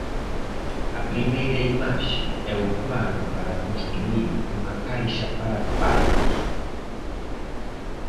A primeira imaxe é o plano para construír unha caixa para páridos.